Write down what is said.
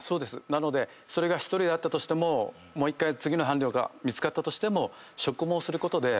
なのでそれが１人だったとしてももう１回次の伴侶が見つかったとしても。